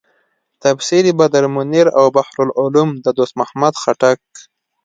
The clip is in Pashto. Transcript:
تفسیر بدرمنیر او بحر العلوم د دوست محمد خټک.